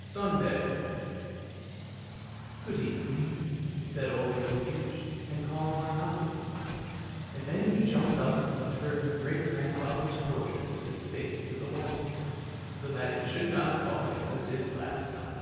SUNDAY " Good evening," said Ole Lukoie, and Hialmar nodded; and then he jumped up and turned great grandfather's portrait with its face to the wall, so that it should not talk as it did last time.